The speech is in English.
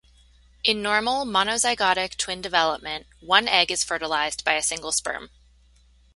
In normal monozygotic twin development, one egg is fertilized by a single sperm.